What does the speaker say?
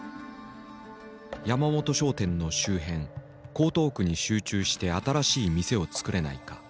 「山本商店の周辺江東区に集中して新しい店を作れないか。